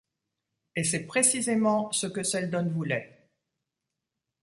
Et c'est précisément ce que Seldon voulait.